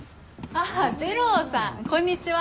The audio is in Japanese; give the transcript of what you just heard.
ああ滋郎さんこんにちは。